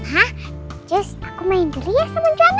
hah just aku main dulu ya sama juana